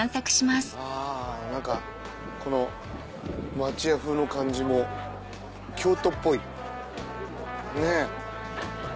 あ何かこの町家風の感じも京都っぽいねっ。